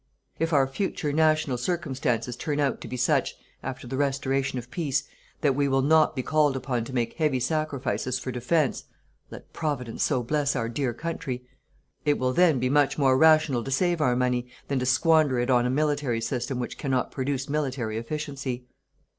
If our future national circumstances turn out to be such, after the restoration of peace, that we will not be called upon to make heavy sacrifices for defence let Providence so bless our dear country it will then be much more rational to save our money than to squander it on a military system which cannot produce military efficiency.